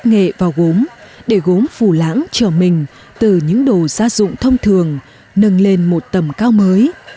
chất nghệ vào gốm để gốm phù lãng trở mình từ những đồ gia dụng thông thường nâng lên một tầm cao mới